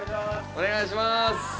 お願いしまーす。